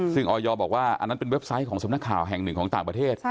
ซึ่งออยบอกว่าอันนั้นเป็นเว็บไซต์ของสำนักข่าวแห่งหนึ่งของต่างประเทศ